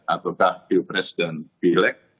ataukah pilpres dan pilek